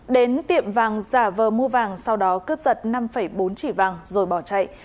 đến tiệm vàng giả vờ mua vàng sau đó cướp giật năm bốn chỉ vàng rồi bỏ chạy